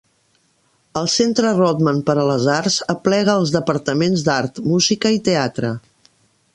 El Centre Rodman per a les Arts aplega els departaments d'art, música i teatre.